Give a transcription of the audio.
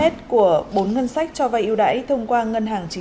một mươi năm năm trăm linh tỷ đồng